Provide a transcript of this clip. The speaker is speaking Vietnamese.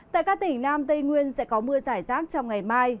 tại các tỉnh nam tây nguyên sẽ có mưa giải rác trong ngày mai